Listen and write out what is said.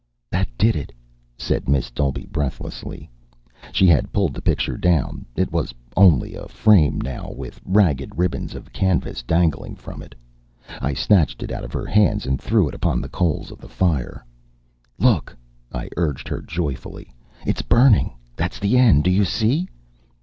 "That did it," said Miss Dolby breathlessly. She had pulled the picture down. It was only a frame now, with ragged ribbons of canvas dangling from it. I snatched it out of her hands and threw it upon the coals of the fire. "Look," I urged her joyfully. "It's burning! That's the end. Do you see?"